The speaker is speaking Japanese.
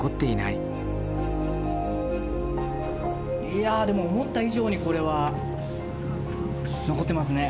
いやでも思った以上にこれは残ってますね。